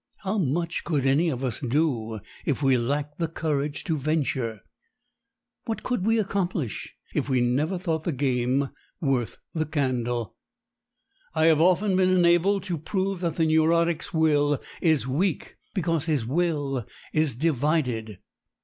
How much could any of us do if we lacked the courage to venture? What could we accomplish if we never thought the game worth the candle? I have often been enabled to prove that the neurotic's will is weak because his will is divided.